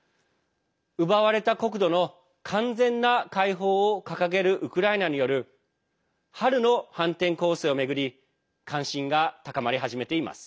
奪われた国土の完全な解放を掲げるウクライナによる春の反転攻勢を巡り関心が高まり始めています。